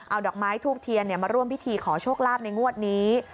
เอาดอกไม้ทูบเทียนมาร่วมพิธีขอโชคลาภในงวดนี้